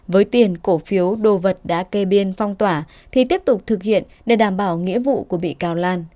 với tiền cổ phiếu đồ vật đã kê biên phong tỏa thì tiếp tục thực hiện để đảm bảo nghĩa vụ của bị cáo lan